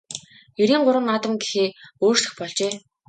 Эрийн гурван наадам гэхээ өөрчлөх болжээ.